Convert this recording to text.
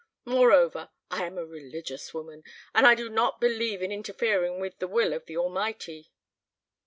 Moreover, I am a religious woman and I do not believe in interfering with the will of the Almighty."